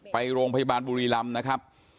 ไปโรงพยาบาลบุรีรำนะครับ